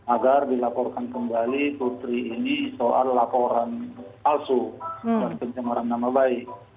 agar dilaporkan kembali putri ini soal laporan palsu dan pencemaran nama baik